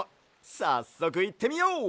さっそくいってみよう！